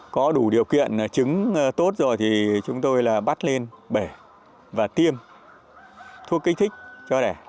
có đủ điều kiện trứng tốt rồi thì chúng tôi là bắt lên bể và tiêm thuốc kích thích cho đẻ